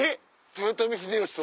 豊臣秀吉と？